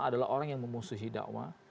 adalah orang yang memusuhi dakwah